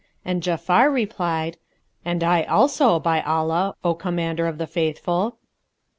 and Ja'afar replied, "And I also, by Allah, O Commander of the Faithful."